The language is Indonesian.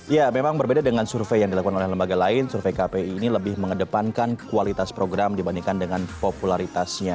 ya memang berbeda dengan survei yang dilakukan oleh lembaga lain survei kpi ini lebih mengedepankan kualitas program dibandingkan dengan popularitasnya